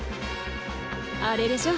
あれでしょ。